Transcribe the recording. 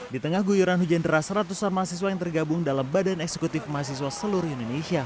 di tengah guyuran hujan deras ratusan mahasiswa yang tergabung dalam badan eksekutif mahasiswa seluruh indonesia